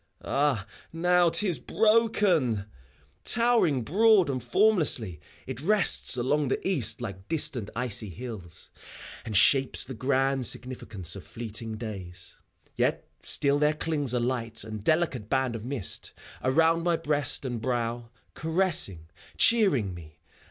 Ah, now 't is broken I Towering broad and f ormlessly. It rests along the east like distant icy hills. And shapes the grand significance of fleeting days. Yet still there clings a light and delicate band of mist Around my breast and brow, caressing, cheering me.